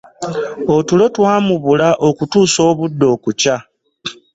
Otulo twamubula okusa obudde okukya.